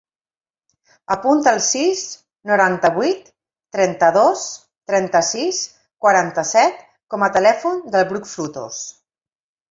Apunta el sis, noranta-vuit, trenta-dos, trenta-sis, quaranta-set com a telèfon del Bruc Frutos.